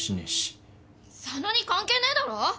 佐野に関係ねえだろ！